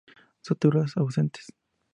Suturas ausentes.